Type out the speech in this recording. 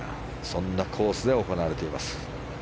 そんなコースで行われています。